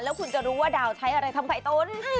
แล้วคุณจะรู้ว่าดาวใช้อะไรทำไข่ตุ๋น